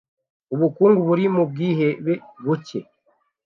Ubukungu buri mu bwihebe buke